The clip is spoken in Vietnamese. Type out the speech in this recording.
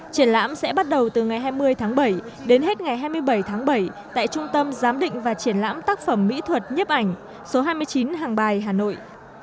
triển lãm sẽ bắt đầu từ ngày hai mươi tháng bảy đến hết ngày hai mươi bảy tháng bảy tại trung tâm giám định và triển lãm tác phẩm mỹ thuật nhếp ảnh số hai mươi chín hàng bài hà nội